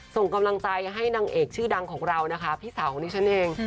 ส่งกำลังใจให้นางเอกชื่อดังของเรานะคะพี่สาวของดิฉันเอง